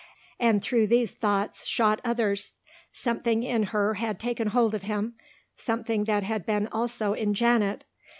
And through these thoughts shot others. Something in her had taken hold of him something that had been also in Janet.